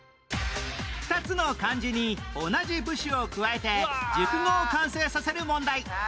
２つの漢字に同じ部首を加えて熟語を完成させる問題